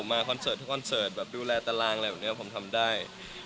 คอนเสิร์ตทุกคอนเสิร์ตแบบดูแลตารางอะไรแบบนี้ผมทำได้